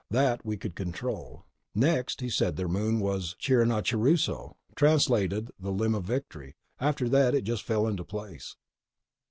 That, we could control. Next, he said their moon was Chiranachuruso, translated as The Limb of Victory. After that it just fell into place."